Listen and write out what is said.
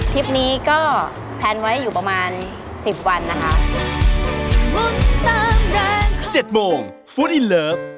คลิปนี้ก็แพลนไว้อยู่ประมาณสิบวันนะคะ